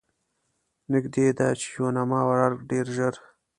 نږدې ده چې یوناما او ارګ ډېر ژر.